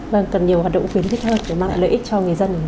vâng cần nhiều hoạt động quyến thích hơn để mang lại lợi ích cho người dân